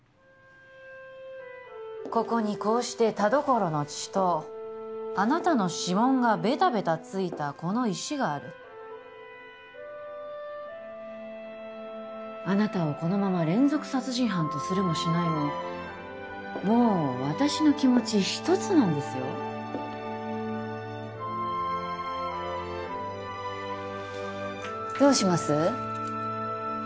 ここにこうして田所の血とあなたの指紋がベタベタついたこの石があるあなたをこのまま連続殺人犯とするもしないももう私の気持ち一つなんですよどうします？